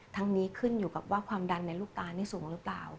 นี้ขึ้นอยู่กับว่าความดันในลูกตานี่สูงหรือเปล่า